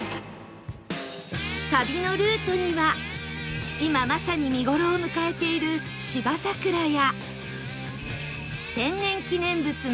旅のルートには今まさに見頃を迎えている芝桜や